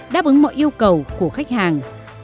đáp ứng mọi yêu cầu của khách hàng